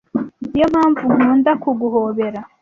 niyo mpamvu nkunda kuguhobera